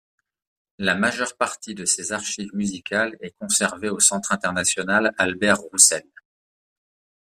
La majeure partie de ses archives musicales est conservée au Centre International Albert Roussel.